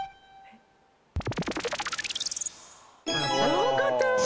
よかった！